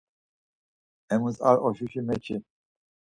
Emus ar oşuşi meçi.